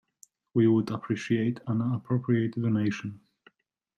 We would appreciate an appropriate donation